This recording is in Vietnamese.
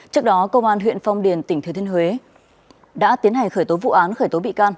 trước đó công an huyện phong điền tỉnh thừa thiên huế đã tiến hành khởi tố vụ án khởi tố bị can